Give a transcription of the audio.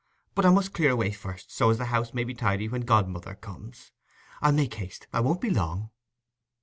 But I must clear away first, so as the house may be tidy when godmother comes. I'll make haste—I won't be long."